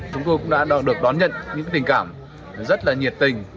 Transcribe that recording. chúng tôi cũng đã được đón nhận những tình cảm rất là nhiệt tình